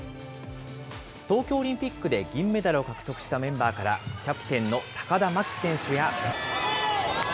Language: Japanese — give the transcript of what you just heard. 東京オリンピックで銀メダルを獲得したメンバーから、キャプテンの高田真希選手や。